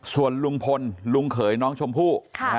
ส่วนลุงพลลุงเขยน้องชมพู่